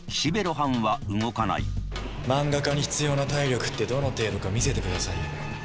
漫画家に必要な体力ってどの程度か見せてくださいよ。